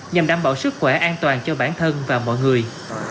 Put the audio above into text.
nhằm đảm bảo sức khỏe an toàn cho bản thân và mọi người